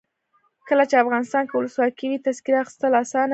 کله چې افغانستان کې ولسواکي وي تذکره اخیستل اسانه وي.